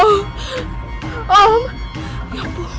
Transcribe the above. om ya ampun